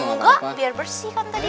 semoga biar bersih kan tadi